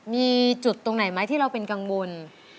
มีจุดตรงไหนไหมที่เราเป็นกังวล